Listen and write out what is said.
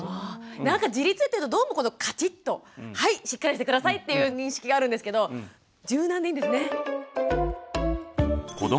なんか自立っていうとどうもこのカチッと「はいしっかりして下さい！」っていう認識があるんですけど柔軟でいいんですね。